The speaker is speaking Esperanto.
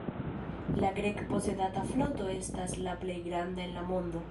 La Grek-posedata floto estas la plej granda en la mondo.